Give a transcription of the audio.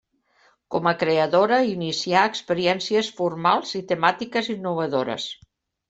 Com a creadora inicià experiències formals i temàtiques innovadores.